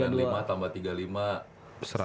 rp sembilan puluh lima tambah rp tiga puluh lima